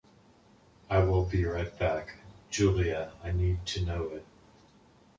I will be right back. Julia, I need to know it.